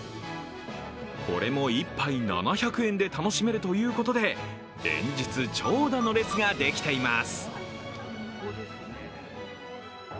これも１杯７００円で楽しめるということで連日、長蛇の列ができています。